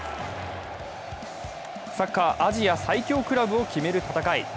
サッカー、アジア最強クラブを決める戦い。